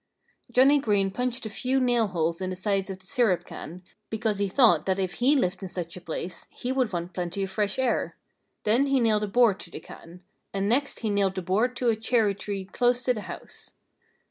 Johnnie Green punched a few nail holes in the sides of the syrup can, because he thought that if he lived in such a place, he would want plenty of fresh air. Then he nailed a board to the can. And next he nailed the board to a cherry tree close to the house.